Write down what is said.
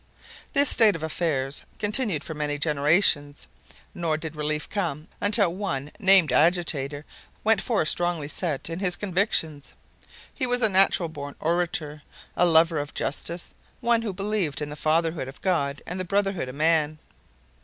This state of affairs continued for many generations, nor did relief come until one named Agitator went forth strongly set in his convictions. He was a natural born orator, a lover of justice, one who believed in the fatherhood of God and the brotherhood of man.